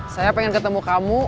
saya pengen ketemu kamu